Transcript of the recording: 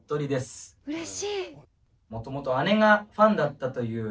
うれしい。